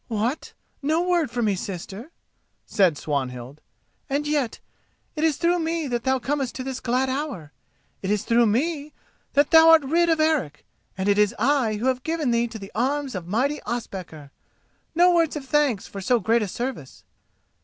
"What! no word for me, sister?" said Swanhild. "And yet it is through me that thou comest to this glad hour. It is through me that thou art rid of Eric, and it is I who have given thee to the arms of mighty Ospakar. No word of thanks for so great a service!